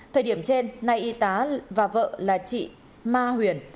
thời điểm trên nay y tá và vợ là chị ma huyền